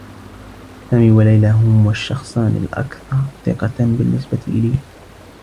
سامي و ليلى هما الشّخصان الأكثر ثقة بالنّسبة لي.